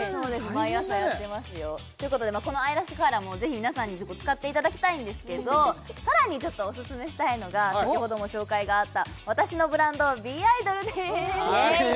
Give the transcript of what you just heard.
毎朝やってますよということでこのアイラッシュカーラーもぜひ皆さんに使っていただきたいんですけどさらにおすすめしたいのが先ほどご紹介があった私のブランドｂｉｄｏｌです